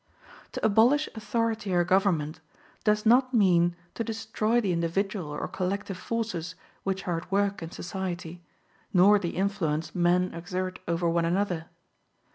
To abolish authority or government does not mean to destroy the individual or collective forces, which are at work in society, nor the influence men exert over one another.